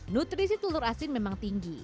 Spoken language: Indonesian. nutrisi telur asin memang tinggi